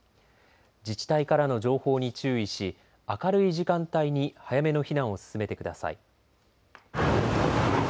自治体からの情報に注意し明るい時間帯に早めの避難を進めてください。